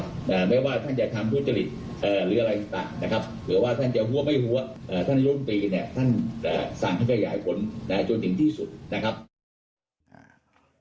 ท่านยกปีท่านสั่งให้กระใหญ่ผลจนถึงที่สุดนะครับ